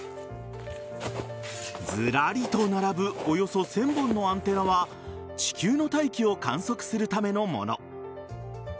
ずらりと並ぶおよそ１０００本のアンテナは地球の大気を観測するためのもの。